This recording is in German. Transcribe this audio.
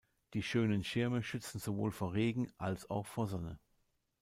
Die schönen Schirme schützen sowohl vor Regen als auch vor Sonne.